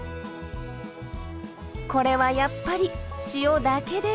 これはやっぱり塩だけで。